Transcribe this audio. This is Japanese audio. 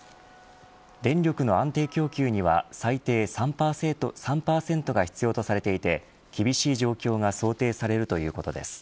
電力の安定供給には最低３％が必要とされていて厳しい状況が想定されるということです。